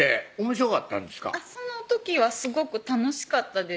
その時はすごく楽しかったです